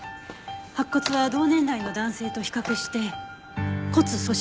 白骨は同年代の男性と比較して骨粗鬆症気味だった。